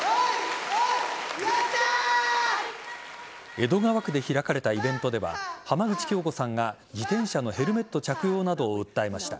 江戸川区で開かれたイベントでは浜口京子さんが自転車のヘルメット着用などを訴えました。